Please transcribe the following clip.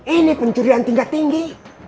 ini pencurian tingkat tinggi